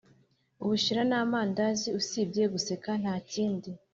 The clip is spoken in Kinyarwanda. Ubushera namandazi usibye guseka ntakindi